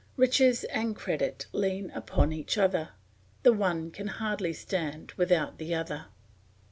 Riches and credit lean upon each other, the one can hardly stand without the other.